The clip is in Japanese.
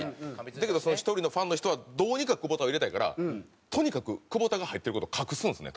だけどその１人のファンの人はどうにか久保田を入れたいからとにかく久保田が入ってる事を隠すんですね